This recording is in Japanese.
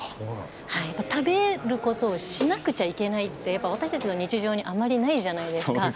食べることをしなくちゃいけない私たちの日常にはあまりないんじゃないですか。